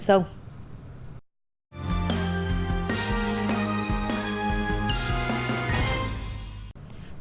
trong khuôn khóa